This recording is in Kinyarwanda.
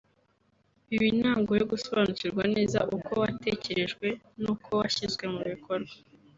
biba intango yo gusobanukirwa neza uko watekerejwe n’uko washyizwe mu bikorwa